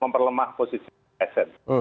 memperlemah posisi ksn